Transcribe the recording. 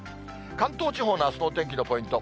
関東地方のあすのお天気のポイント。